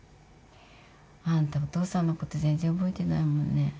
あんたお父さんのこと全然覚えてないもんね。